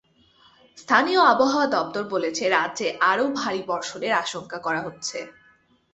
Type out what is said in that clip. স্থানীয় আবহাওয়া দপ্তর বলছে, রাজ্যে আরও ভারী বর্ষণের আশঙ্কা করা হচ্ছে।